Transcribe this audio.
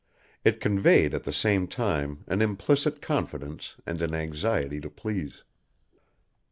It conveyed at the same time an implicit confidence and an anxiety to please.